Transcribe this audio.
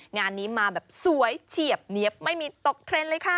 งานนี้มาแบบสวยเฉียบเนี๊ยบไม่มีตกเทรนด์เลยค่ะ